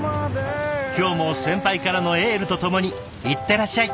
今日も先輩からのエールとともに行ってらっしゃい。